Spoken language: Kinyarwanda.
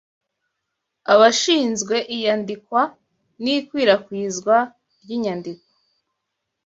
Abashinzwe Iyandikwa n’Ikwirakwizwa ry’Inyandiko